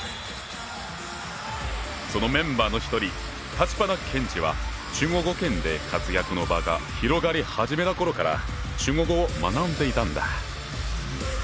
そのメンバーの一人橘ケンチは中国語圏で活躍の場が広がり始めた頃から中国語を学んでいたんだ